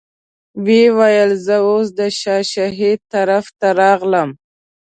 ویل یې زه اوس د شاه شهید طرف ته راغلم.